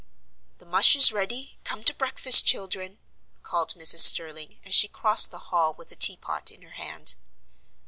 "The mush is ready; come to breakfast, children," called Mrs. Sterling, as she crossed the hall with a teapot in her hand.